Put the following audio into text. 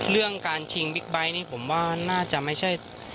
เรื่องการชิงบิ๊กไบท์นี่ผมว่าน่าจะไม่ใช่